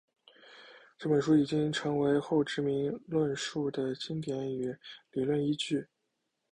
这本书已经成为后殖民论述的经典与理论依据。